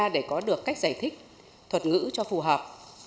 để có được cách giải thích thuật ngữ cho phù hợp